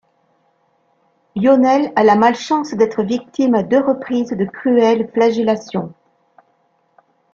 Lionel a la malchance d'être victime à deux reprises de cruelles flagellations.